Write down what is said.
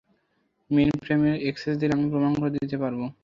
মেইনফ্রেমের access দিলে আমি প্রমাণ করে দিতে পারব!